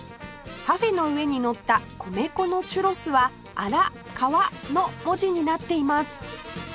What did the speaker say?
パフェの上にのった米粉のチュロスは「あら」「かわ」の文字になっています